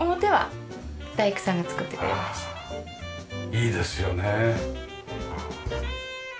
いいですよね。